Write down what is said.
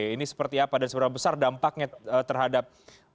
ini seperti apa dan seberapa besar dampaknya terhadap